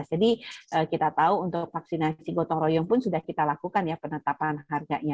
jadi kita tahu untuk vaksinasi gotong royong pun sudah kita lakukan ya penetapan harganya